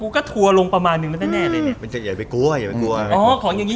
อ๋อของอย่างนี้อย่าไปกลัวหรือครับ